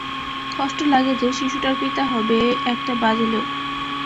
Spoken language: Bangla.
কষ্ট লাগে যে, শিশুটার পিতা হবে একটা বাজে লোক।